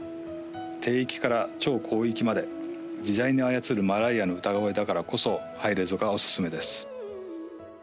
低域から超高域まで自在に操るマライアの歌声だからこそハイレゾがおすすめです